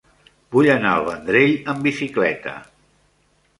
Vull anar al Vendrell amb bicicleta.